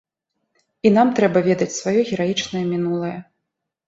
І нам трэба ведаць сваё гераічнае мінулае.